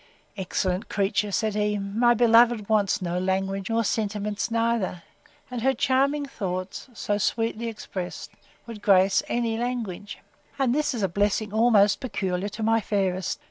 Excellent creature! said he: My beloved wants no language, nor sentiments neither; and her charming thoughts, so sweetly expressed, would grace any language; and this is a blessing almost peculiar to my fairest.